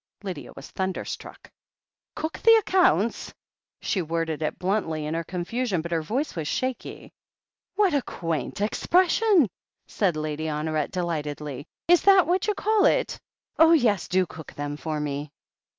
Lydia was thunderstruck. "Gx)k the accounts?" She worded it bluntly in her confusion, but her voice was shaky. "What a quaint expression!" said Lady Honoret delightedly. "Is that what you call it? Oh, yes, do cook them for me